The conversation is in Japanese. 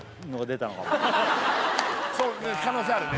そうね可能性あるね・